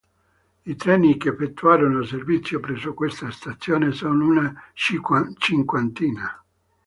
I treni che effettuano servizio presso questa stazione sono una cinquantina.